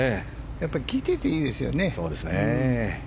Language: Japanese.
やっぱり聞いていていいですよね。